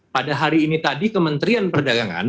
pada hari ini tadi kementerian perdagangan